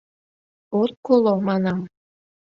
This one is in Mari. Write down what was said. — От коло, манам.